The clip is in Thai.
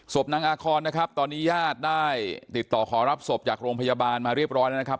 นางอาคอนนะครับตอนนี้ญาติได้ติดต่อขอรับศพจากโรงพยาบาลมาเรียบร้อยแล้วนะครับ